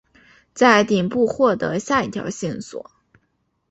在顶部获得下一条线索。